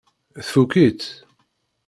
Tfukk-itt?